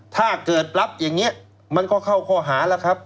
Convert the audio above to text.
ถ้าเกิดรับอย่างนี้มันก็เข้าข้อหาแล้วครับ